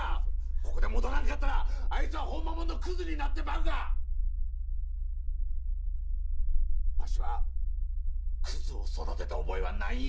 ここで戻らんかったらあいつはほんまもんのクズになってまうがわしはクズを育てた覚えはないんや！